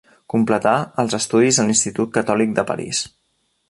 Completà els estudis a l'Institut Catòlic de París.